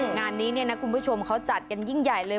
งานนี้เนี่ยนะคุณผู้ชมเขาจัดกันยิ่งใหญ่เลย